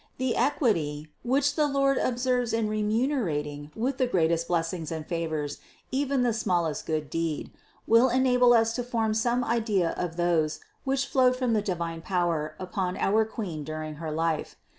The equity, which the Lord observes in remunerating with the greatest blessings and favors even the smallest good deed, wrill enable us to form some idea of those which flowed from the divine power upon our Queen during her life.